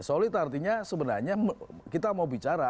solid artinya sebenarnya kita mau bicara